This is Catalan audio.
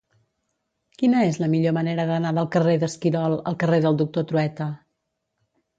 Quina és la millor manera d'anar del carrer d'Esquirol al carrer del Doctor Trueta?